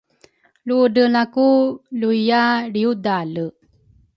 ludreelaku luiya lriudale.